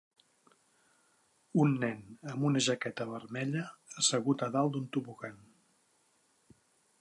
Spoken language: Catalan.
Un nen amb una jaqueta vermella assegut a dalt d'un tobogan.